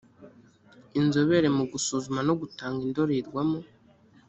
inzobere mu gusuzuma no gutanga indorerwamo